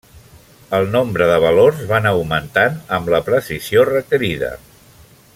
El nombre de valors van augmentant amb la precisió requerida.